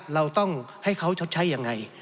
เราต้องให้เขาชดใช้ยังไง